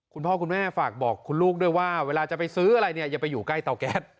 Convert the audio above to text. คุณพ่อคุณแม่ฝากบอกคุณลูกด้วยว่าเวลาจะไปซื้ออะไรเนี่ยอย่าไปอยู่ใกล้เตาแก๊ส